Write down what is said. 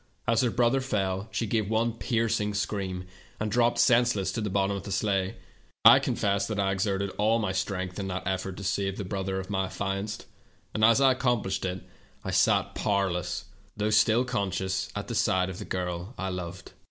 As her brother fell she gave one piercing scream and dropped senseless to the bottom of the sleigh. I confess that I exerted all my strength in that effort to save the brother of my affianced, and as I accomplished it, I sank powerless, though still conscious, at the side of the girl I loved.